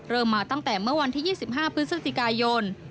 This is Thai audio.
มาตั้งแต่เมื่อวันที่๒๕พฤศจิกายน